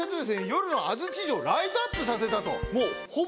夜の安土城をライトアップさせたと。